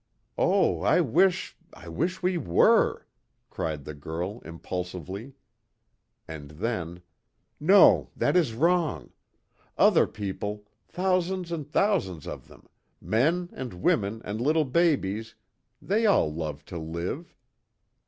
"Oh, I wish I wish we were!" cried the girl, impulsively. And then: "No that is wrong! Other people thousands and thousands of them men, and women, and little babies they all love to live."